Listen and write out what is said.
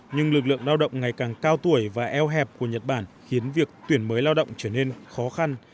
nhưng lực lượng lao động ngày càng cao tuổi và eo hẹp của nhật bản khiến việc tuyển mới lao động trở nên khó khăn